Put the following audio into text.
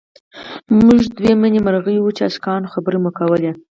موږ دوه مئینې مرغۍ وو چې عاشقانه خبرې مو کولې